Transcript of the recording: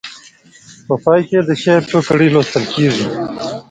په پای کې یې د شعر څو کړۍ لوستل کیږي.